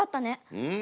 うん。